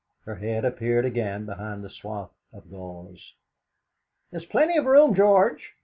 Her head appeared again behind the swathe of gauze. "There's plenty of room, George."